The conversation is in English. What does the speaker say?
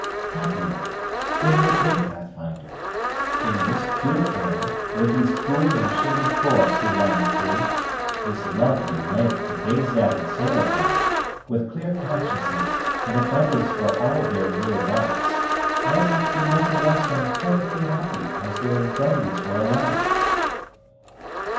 "Happier! in what way, Pathfinder? In this pure air, with these cool and shaded forests to wander through, this lovely lake to gaze at and sail upon, with clear consciences, and abundance for all their real wants, men ought to be nothing less than as perfectly happy as their infirmities will allow."